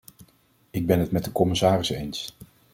Ik ben het met de commissaris eens.